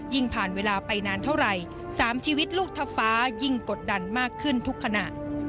ยิ่งกดดันมากขึ้นทุกขณะ